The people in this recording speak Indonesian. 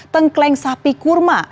tengkleng sapi kurma